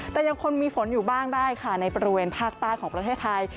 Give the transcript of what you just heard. แต่ยังคงมีฝนอยู่บ้างได้ค่ะในบริเวณภาคใต้ของประเทศไทย